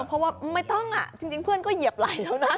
เพราะว่าไม่ต้องจริงเพื่อนก็เหยียบไหล่แล้วนะ